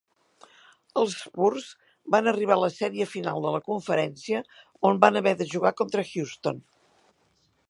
Els Spurs van arribar a la sèrie final de la conferència, on van haver de jugar contra Houston.